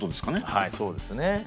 はいそうですね。